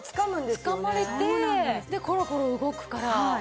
キュッとつかまれてでコロコロ動くから。